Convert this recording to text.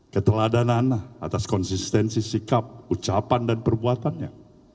keteladanan atas konsistensi sikap ucapan dan perbuatannya